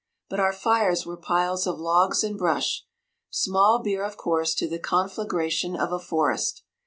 But our fires were piles of logs and brush—small beer of course to the conflagration of a forest.